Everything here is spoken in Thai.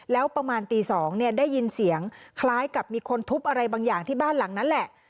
แล้วประมาณตี๒ได้ยินเสียงคล้ายกับมีคนทุบอะไรบางอย่างที่บ้านหลังนั้นแหละ